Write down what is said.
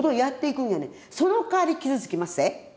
そのかわり傷つきまっせ。